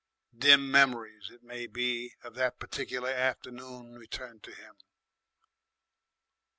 Dim memories, it may be, of that particular afternoon returned to him.